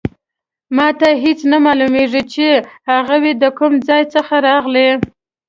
ما ته هیڅ نه معلومیږي چې هغوی د کوم ځای څخه راغلي